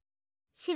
しろ。